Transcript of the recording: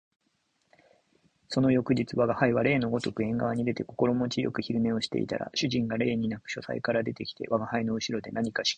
その翌日吾輩は例のごとく縁側に出て心持ち善く昼寝をしていたら、主人が例になく書斎から出て来て吾輩の後ろで何かしきりにやっている